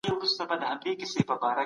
د هنر پرمختګ څنګه کيږي؟